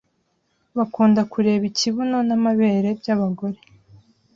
bakunda kureba ikibuno n’amabere by’abagore